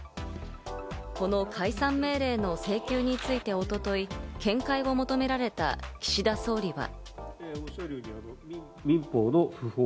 この解散命令の請求について、一昨日、見解を求められた岸田総理は。